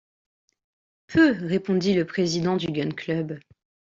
Peu, répondit le président du Gun-Club.